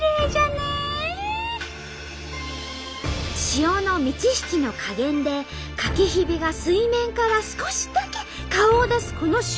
潮の満ち引きの加減でかきひびが水面から少しだけ顔を出すこの瞬間。